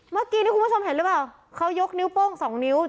เมื่อกี้นี่คุณผู้ชมเห็นหรือเปล่าเขายกนิ้วโป้งสองนิ้ว